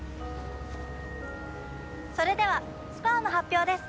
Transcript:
それではスコアの発表です。